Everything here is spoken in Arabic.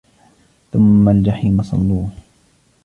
ثُمَّ الْجَحِيمَ صَلُّوهُ